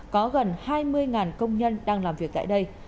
có gần hai mươi công nhân đang làm việc tại đây